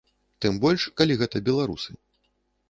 Тым больш калі гэта беларусы.